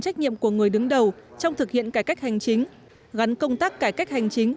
trách nhiệm của người đứng đầu trong thực hiện cải cách hành chính gắn công tác cải cách hành chính